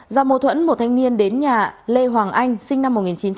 do mâu thuẫn một thanh niên đến nhà lê hoàng anh sinh năm một nghìn chín trăm tám mươi